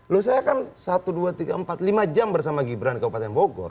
loh saya kan satu dua tiga empat lima jam bersama gibran di kabupaten bogor